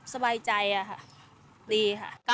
สบายใจค่ะดีค่ะ